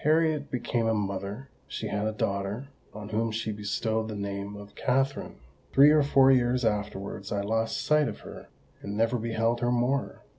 "Harriet became a mother: she had a daughter, on whom she bestowed the name of Katherine. Three or four years afterwards I lost sight of her, and never beheld her more.